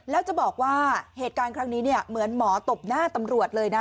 แล้วจะบอกว่าเหตุการณ์ครั้งนี้เนี่ยเหมือนหมอตบหน้าตำรวจเลยนะ